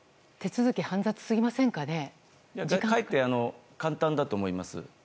かえって、簡単だと思います。